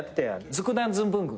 ズクダンズンブングンです。